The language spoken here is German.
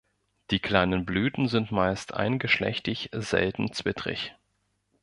Die kleinen Blüten sind meist eingeschlechtig, selten zwittrig.